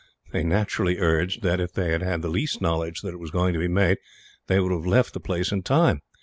They naturally urged that, if they had had the least knowledge that it was going to be made, they would have left the place in time.